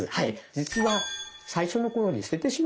実は最初の頃に捨ててしまったと。